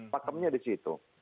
pakamnya di situ